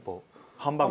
ハンバーグ？